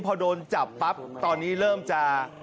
พอโดนจับปั๊บตอนนี้เริ่มจะ